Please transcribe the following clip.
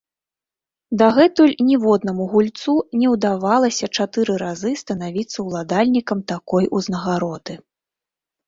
Дагэтуль ніводнаму гульцу не ўдавалася чатыры разы станавіцца ўладальнікам такой узнагароды.